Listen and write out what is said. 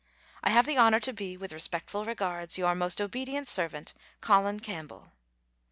I have the honour to be, with respectful regards, Your most obedient servant, COLIN CAMPBELL.